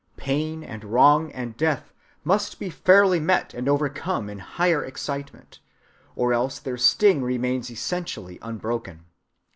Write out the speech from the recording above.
Pain and wrong and death must be fairly met and overcome in higher excitement, or else their sting remains essentially unbroken.